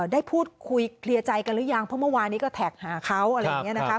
ได้พูดคุยเคลียร์ใจกันหรือยังเพราะเมื่อวานนี้ก็แท็กหาเขาอะไรอย่างนี้นะคะ